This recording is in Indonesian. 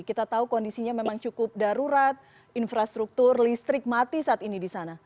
kita tahu kondisinya memang cukup darurat infrastruktur listrik mati saat ini di sana